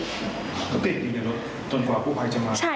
ก็ติดอยู่ในรถจนกว่าผู้ไพรจะมา